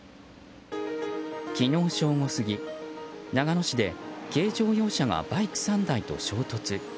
昨日正午過ぎ、長野市で軽乗用車がバイク３台と衝突。